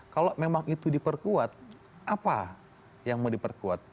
kalau memang itu diperkuat apa yang mau diperkuat